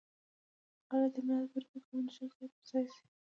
قبایلت د ملت پرضد په مورچه کې ځای پر ځای شي.